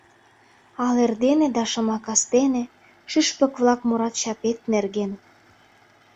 Ал эрдене да шыма кастене Шӱшпык-влак мурат чапет нерген.